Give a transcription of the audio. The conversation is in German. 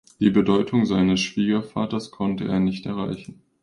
Die Bedeutung seines Schwiegervaters konnte er nicht erreichen.